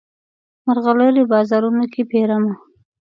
مرغلرې بازارونو کې پیرمه